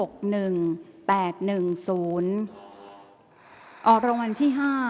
ข่าวแถวรับทีวีรายงาน